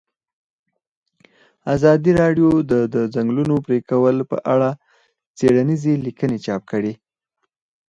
ازادي راډیو د د ځنګلونو پرېکول په اړه څېړنیزې لیکنې چاپ کړي.